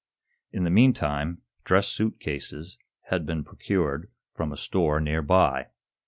In the meantime, dress suit cases had been procured from a store near by.